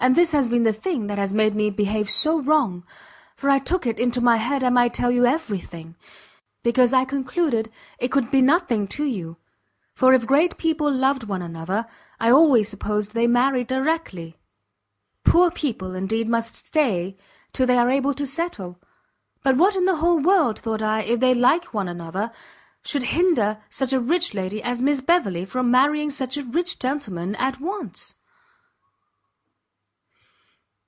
And this has been the thing that has made me behave so wrong; for I took it into my head I might tell you every thing, because I concluded it could be nothing to you; for if great people loved one another, I always supposed they married directly; poor people, indeed, must stay till they are able to settle; but what in the whole world, thought I, if they like one another, should hinder such a rich lady as Miss Beverley from marrying such a rich gentleman at once?"